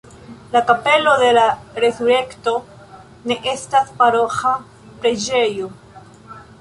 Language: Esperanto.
La Kapelo de la Resurekto ne estas paroĥa preĝejo.